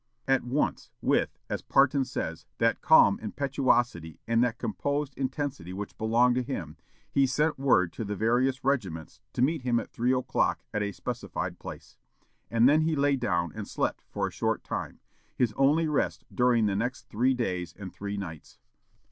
At once, with, as Parton says, that "calm impetuosity and that composed intensity which belonged to him," he sent word to the various regiments to meet him at three o'clock at a specified place. And then he lay down and slept for a short time, his only rest during the next three days and three nights.